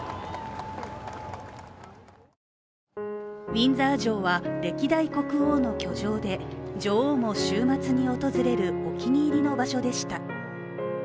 ウィンザー城は歴代国王の居城で女王も週末に訪れるお気に入りの場所でした。